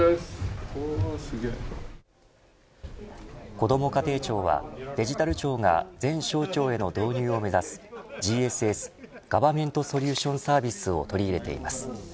こども家庭庁はデジタル庁が全省庁への導入を目指すＧＳＳガバメントソリューションサービスを取り入れています。